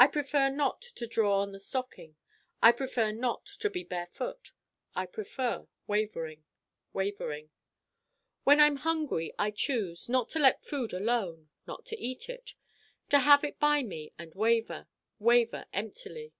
I prefer not to draw on the stocking: I prefer not to be barefoot: I prefer Wavering Wavering When I'm hungry I choose: not to let food alone: not to eat it: to have it by me and Waver, Waver emptily.